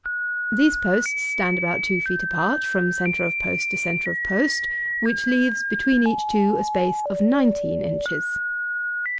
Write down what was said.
These posts stand about two feet apart, from centre of post to centre of post, which leaves between each two a space of nineteen inches.